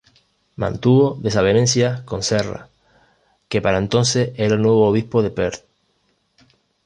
Mantuvo desavenencias con Serra, que para entonces era el nuevo obispo de Perth.